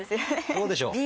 どうでしょう？